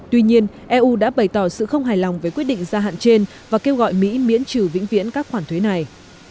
tuy nhiên eu đã bày tỏ sự không hài lòng với quyết định gia hạn trên và kêu gọi mỹ miễn trừ vĩnh viễn các khoản thuế này